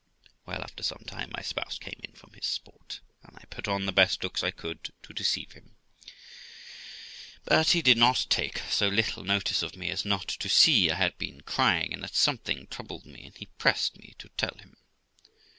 Well, after some time, my spouse came in from his sport, and I put on the best looks I could to deceive him ; but he did not take so little notice of me as not to see I had been crying, and that something troubled me, and he pressed me to tell him.